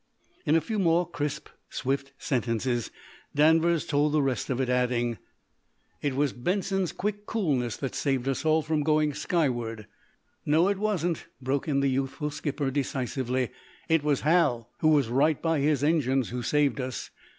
In a few more crisp, swift sentences; Danvers told the rest of it adding: "It was Benson's quick coolness that saved us all from going skyward." "No, it wasn't," broke in the youthful skipper, decisively. "It was Hal, who was right by his engines, who saved us.